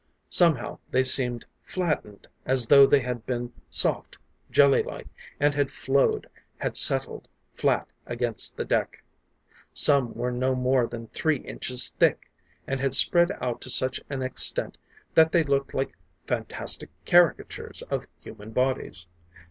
Somehow, they seemed flattened, as though they had been soft, jellylike, and had flowed, had settled, flat against the deck. Some were no more than three inches thick, and had spread out to such an extent that they looked like fantastic caricatures of human bodies.